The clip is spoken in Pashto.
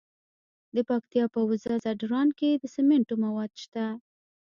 د پکتیا په وزه ځدراڼ کې د سمنټو مواد شته.